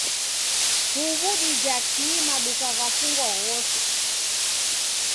Huw'u dija kii maduka ghafungwa ghose?